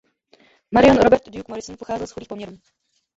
Marion Robert „Duke“ Morrison pocházel z chudých poměrů.